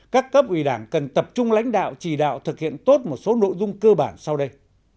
các cấp ủy đảng cần tập trung lãnh đạo chỉ đạo thực hiện tốt một số nội dung cơ bản sau đây